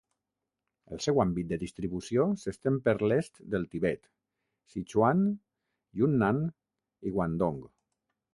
El seu àmbit de distribució s'estén per l'est del Tibet, Sichuan, Yunnan i Guangdong.